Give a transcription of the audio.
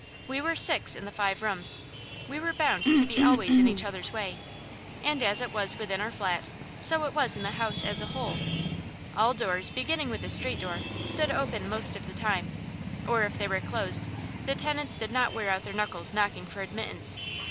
We were six in the five rooms; we were bound to be always in each other's way. And as it was within our flat, so it was in the house as a whole. All doors, beginning with the street door, stood open most of the time; or if they were closed, the tenants did not wear out their knuckles knocking for admittance.